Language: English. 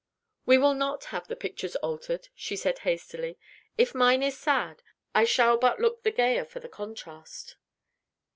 "We will not have the pictures altered," said she hastily. "If mine is sad, I shall but look the gayer for the contrast."